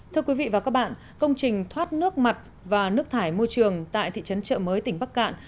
thưa quý vị và các bạn công trình thoát nước mặt và nước thải môi trường tại thị trấn trợ mới tỉnh bắc cạn